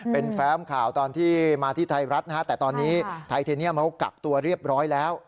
เป็นแฟ้มข่าวตอนที่มาที่ไทยรัฐนะฮะแต่ตอนนี้ไทเทเนียมเขากักตัวเรียบร้อยแล้ว